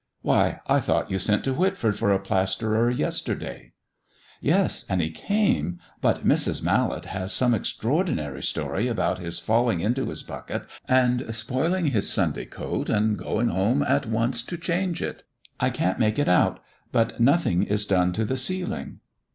"Why, I thought you sent to Whitford for a plasterer yesterday?" "Yes, and he came; but Mrs. Mallet has some extraordinary story about his falling into his bucket and spoiling his Sunday coat, and going home at once to change it. I can't make it out, but nothing is done to the ceiling."